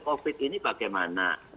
covid ini bagaimana